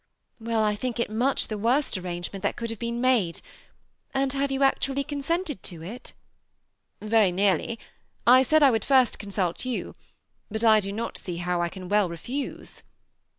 Well, I think it much the worst arrangement that could have been made. And haV'C jou actually consented to it?" ^ Very nearly. I said I would first consult you ; but I do not see how I can well refuse."